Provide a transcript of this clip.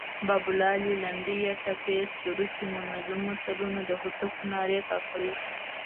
بابولالې، لنډۍ یا ټپې، سروکي، منظوم متلونه، د هوتکو نارې، کاکړۍ